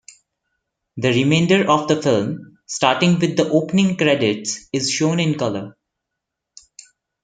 The remainder of the film starting with the opening credits is shown in color.